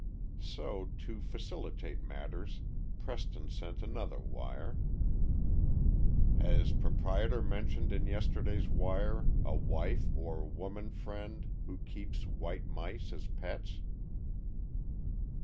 So, to facilitate matters, Preston sent another wire: Has proprietor mentioned in yesterday's wire a wife or woman friend who keeps white mice as pets?